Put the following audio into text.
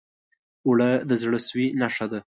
اوړه د زړه سوي نښه ده